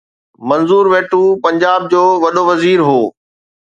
منظور ويٽو پنجاب جو وڏو وزير هو.